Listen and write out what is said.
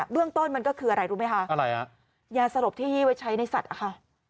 เรื่องต้นมันก็คืออะไรรู้ไหมคะอะไรฮะยาสลบที่ไว้ใช้ในสัตว์อะค่ะ